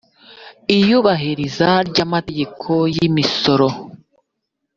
iyubahiriza ry amategeko y imisoro